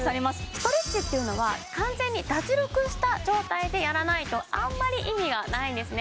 ストレッチっていうのは完全に脱力した状態でやらないとあんまり意味がないんですね